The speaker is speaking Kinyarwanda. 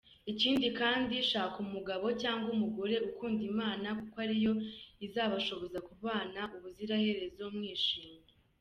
Ikindi kandi shaka umugabo cyangwa umugore ukunda Imana kuko ariyo izabashoboza kubana ubuziraherezo mwishimye.